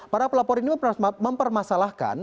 para pelapor ini mempermasalahkan